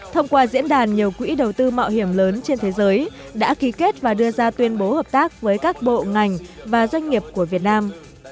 thông qua diễn đàn nhiều quỹ đầu tư mạo hiểm lớn trên thế giới đã ký kết và đưa ra tuyên bố hợp tác với các bộ ngành và doanh nghiệp của việt nam